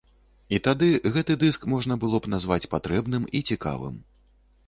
І тады гэты дыск можна было б назваць патрэбным і цікавым.